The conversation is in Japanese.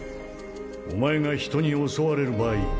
お前が人に襲われる場合